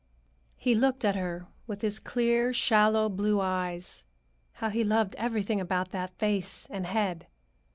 He looked at her with his clear, shallow blue eyes. How he loved everything about that face and head!